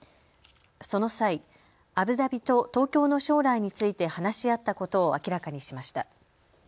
その際、アブダビと東京の将来について話し合ったことを明らかにしました。